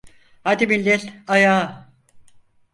Hadi millet, ayağa!